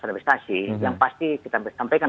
manifestasi yang pasti kita sampaikan